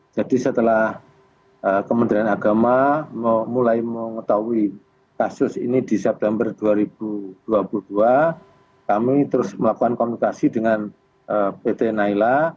jadi setelah kementerian agama mulai mengetahui kasus ini di september dua ribu dua puluh dua kami terus melakukan komunikasi dengan pt naila